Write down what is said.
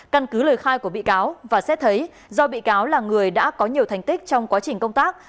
căn cứ lời khai của bị cáo và xét thấy do bị cáo là người đã có nhiều thành tích trong quá trình công tác